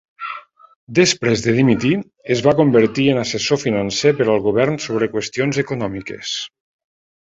Després de dimitir, es va convertir en assessor financer per al govern sobre qüestions econòmiques.